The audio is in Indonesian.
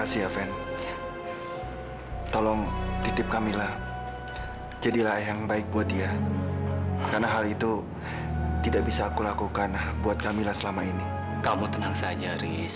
sampai jumpa di video selanjutnya